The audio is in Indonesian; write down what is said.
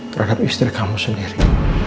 terhadap istri kamu sendiri